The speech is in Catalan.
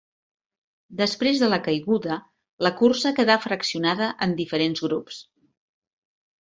Després de la caiguda la cursa quedà fraccionada en diferents grups.